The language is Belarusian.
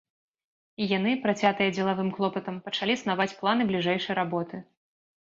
І яны, працятыя дзелавым клопатам, пачалі снаваць планы бліжэйшай работы.